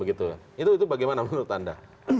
itu bagaimana menurut anda